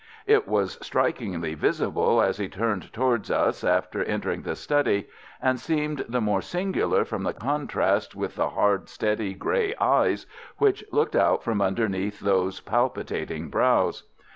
It was strikingly visible as he turned towards us after entering the study, and seemed the more singular from the contrast with the hard, steady grey eyes which looked out from underneath those palpitating brows.